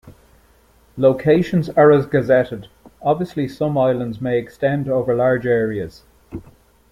Locations are as gazetted; obviously some islands may extend over large areas.